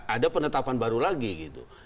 ada penetapan baru lagi gitu